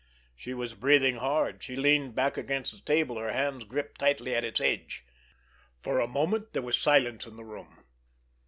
She was breathing hard. She leaned back against the table, her hands gripped tightly at its edge. For a moment there was silence in the room.